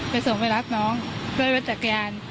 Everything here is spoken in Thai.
ไปส่งไปรับน้องได้ไปจักรยาน